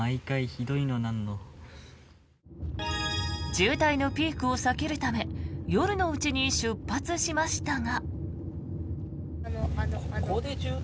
渋滞のピークを避けるため夜のうちに出発しましたが。